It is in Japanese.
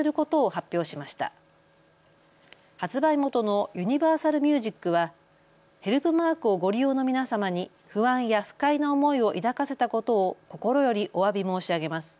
発売元のユニバーサルミュージックはヘルプマークをご利用の皆様に不安や不快な思いを抱かせたことを心よりおわび申し上げます。